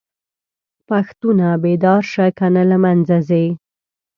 پښتونه!! بيدار شه کنه له منځه ځې